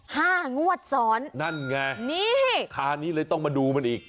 งวดซ้อนนั่นไงนี่คราวนี้เลยต้องมาดูมันอีก